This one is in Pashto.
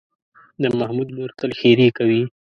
د محمود مور تل ښېرې کوي.